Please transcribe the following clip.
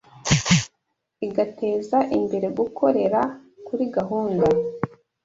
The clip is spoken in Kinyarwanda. igateza imbere gukorera kuri gahunda